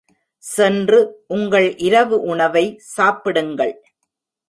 சென்று உங்கள் இரவு உணவை சாப்பிடுங்கள்.